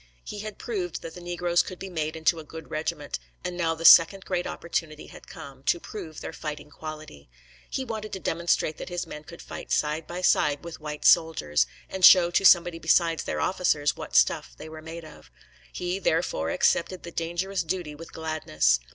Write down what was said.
He had proved that the negroes could be made into a good regiment, and now the second great opportunity had come, to prove their fighting quality. He wanted to demonstrate that his men could fight side by side with white soldiers, and show to somebody beside their officers what stuff they were made of. He, therefore, accepted the dangerous duty with gladness.